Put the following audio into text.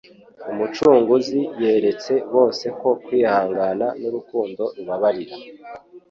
Umucunguzi yeretse bose ko kwihangana n'urukundo rubabarira